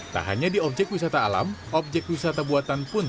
tak hanya di objek wisata alam objek wisata buatan pun